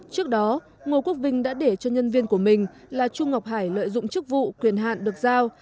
trước đó ngô quốc vinh đã để cho nhân viên của mình là chu ngọc hải lợi dụng chức vụ quyền hạn được giao